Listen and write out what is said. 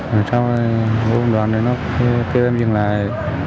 rồi sau đó quân đoàn kêu em dừng lại